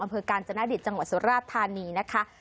เจ้านาฬิจจังหวัดสุราภาณีนะคะ